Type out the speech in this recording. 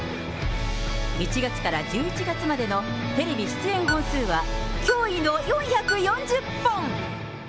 １月から１１月までのテレビ出演本数は、驚異の４４０本。